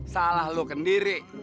salah lo kendiri